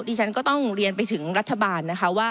ดิฉันก็ต้องเรียนไปถึงรัฐบาล